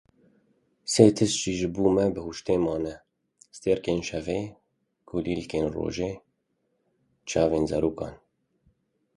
Sê tişt ji bo me ji bihuştê mane, Stêrkên şevê, Kulîlkên rojê, Çavên zarokan.